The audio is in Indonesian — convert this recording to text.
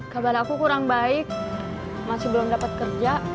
kabar aku kurang baik masih belum dapat kerja